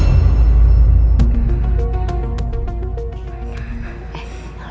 mas sayang pepe proy